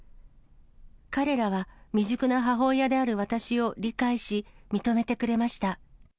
彼らは未熟な母親である私を理解し、認めてくれました。